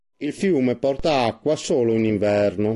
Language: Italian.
Il fiume porta acqua solo in inverno.